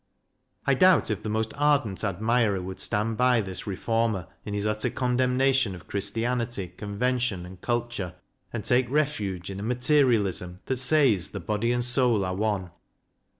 I doubt if the most ardent admirer would stand by this Reformer in his utter condemnation of Christianity, convention, and culture, and take refuge in a Material ism that says the body and soul are one.